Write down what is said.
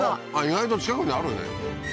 意外と近くにあるね